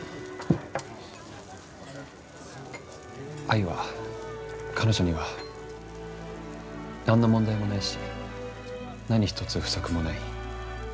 愛は彼女には何の問題もないし何一つ不足もない。